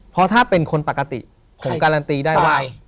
เพราะถ้าเป็นคนปกติผมการันตีได้ว่า